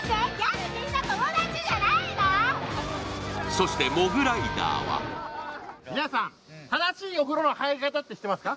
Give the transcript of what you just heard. そして、モグライダーは皆さん、正しいお風呂の入り方って知ってますか？